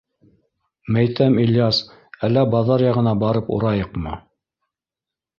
Мәйтәм, Ильяс, әллә баҙар яғына барып урайыҡмы?